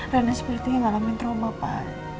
rena sepertinya ngalamin trauma pak